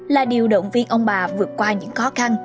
là điều động viên ông bà vượt qua những khó khăn